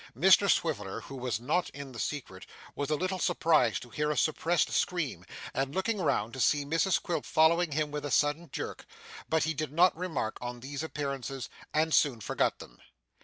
Mr Swiveller, who was not in the secret, was a little surprised to hear a suppressed scream, and, looking round, to see Mrs Quilp following him with a sudden jerk; but he did not remark on these appearances, and soon forgot them.